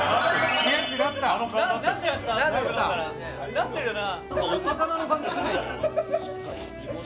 なってるよな？